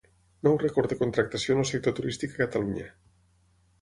Nou rècord de contractació en el sector turístic a Catalunya.